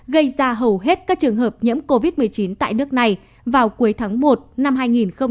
gây ra hầu hết các trường hợp nhiễm covid một mươi chín tại nước này vào cuối tháng một năm hai nghìn hai mươi